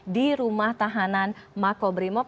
di rumah tahanan mako brimob